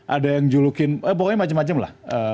ada yang julukin eh pokoknya macam macam lah